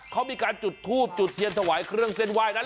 เขามีการจุดทุบจุดเย็นสวายเครื่องเส้นไหว้